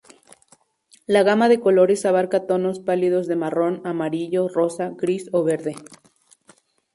La gama de colores abarca tonos pálidos de marrón, amarillo, rosa, gris o verde.